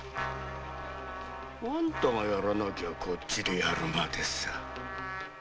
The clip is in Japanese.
あんたがやらなきゃこっちでやるさ。